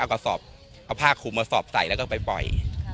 ก็เอาผ้าขุดมาสอบใส่แล้วก็ไปปล่อย